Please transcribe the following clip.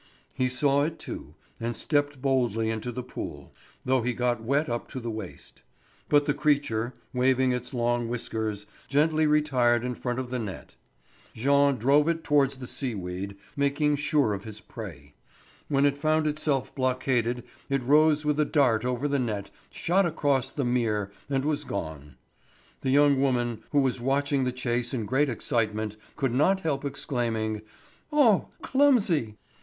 He saw it too, and stepped boldly into the pool, though he got wet up to the waist. But the creature, waving its long whiskers, gently retired in front of the net. Jean drove it towards the sea weed, making sure of his prey. When it found itself blockaded it rose with a dart over the net, shot across the mere, and was gone. The young woman, who was watching the chase in great excitement, could not help exclaiming: "Oh! Clumsy!"